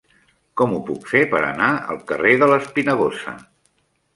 Com ho puc fer per anar al carrer de l'Espinagosa?